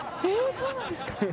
そうなんですか。